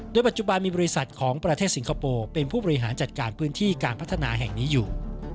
โดยปัจจุบันมีบริษัทของประเทศสิงคโปร์เป็นผู้บริหารจัดการพื้นที่การพัฒนาแห่งนี้อยู่